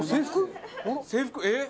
制服えっ？